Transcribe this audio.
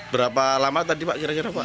berapa lama tadi pak kira kira pak